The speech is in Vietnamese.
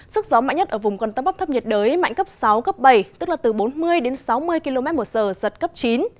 sức gió mạnh nhất ở vùng gần tâm áp thấp nhiệt đới mạnh cấp sáu cấp bảy tức là từ bốn mươi đến sáu mươi km một giờ giật cấp chín